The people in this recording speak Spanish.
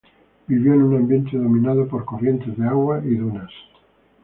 Vivió en un ambiente dominado por corrientes de agua y dunas.